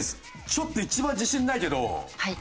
ちょっと一番自信ないけど。